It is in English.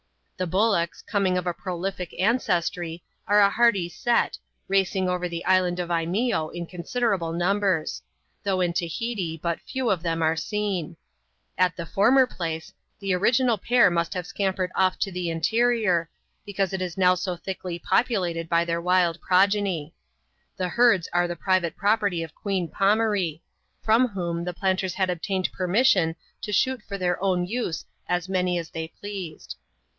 The bullocks, coming of a prolific ancestry, are a hearty set, racing over the island of Imeeo in considerable numbers; though in Tahiti but few of them are seen. At the former place, the original pair must have scampered off to the interior, since it is liow so thickly populated by their wild progeny. The herds *%ipe the private property of Queen Pomaree ; from whom the 'planters had obtained permission to shoot for their own use as many as they pleased.